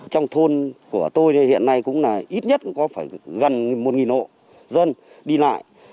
trong thôn của tôi thì hiện nay cũng là ít nhất có phải gần một hộ dân đi lại